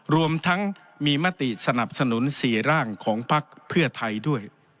รวมทั้งมีมติสนับสนุน๔ร่างของพักเพื่อไทยด้วย